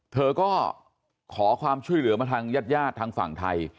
เธอก็ขอความช่วยเหลือมาทางญาติญาติทางฝั่งไทย